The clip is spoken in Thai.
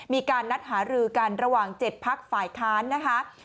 มีการนัดหารือกันระหว่าง๗พักฝ่ายค้านนะคะ